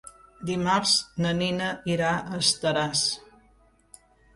Dimarts na Nina irà a Estaràs.